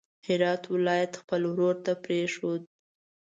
هرات ولایت خپل ورور ته پرېښود.